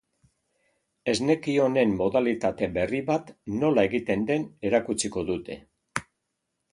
Esneki honen modalitate berri bat nola egiten den erakutsiko dute.